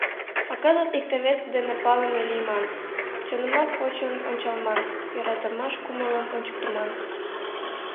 А кызыт икте-весе дене палыме лийман, чонымак почын ончалман, йӧратымаш кумылым ончыктыман.